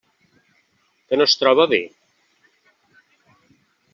Que no es troba bé?